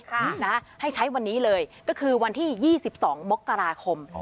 ค่ะนะให้ใช้วันนี้เลยก็คือวันที่ยี่สิบสองมกราคมอ๋อ